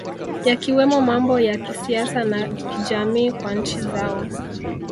Yakiwemo mambo ya kisiasa na kijamii kwa nchi zao